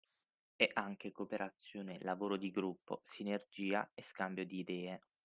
È anche cooperazione, lavoro di gruppo, sinergia e scambio di idee.